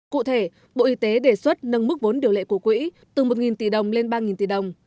cụ thể bộ y tế đề xuất nâng mức vốn điều lệ của quỹ từ một tỷ đồng lên ba tỷ đồng